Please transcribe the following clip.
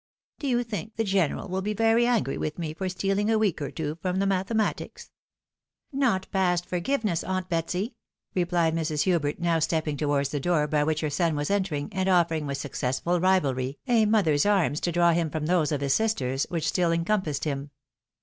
Do you think the general will be very angry with me for stealing a week or two from the mathematics ?"" Not past forgiveness, aunt Betsy !" replied Mrs. Hubert, now stepping towards the door by which her son was entering, and offering, with successfcd rivalry, a mother's arms to draw him from those of his sister's, which still encompassed him.